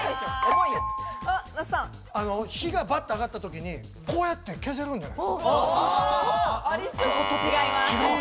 火がバッと上がった時にこうやって消せるんじゃないですか？